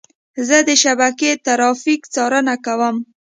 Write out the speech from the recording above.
زه د شبکې ترافیک څارنه کوم.